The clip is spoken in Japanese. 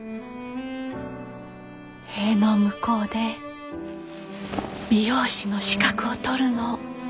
塀の向こうで美容師の資格を取るの。